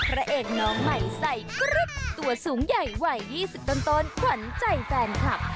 พระเอกน้องใหม่ใส่กริ๊กตัวสูงใหญ่วัย๒๐ต้นขวัญใจแฟนคลับ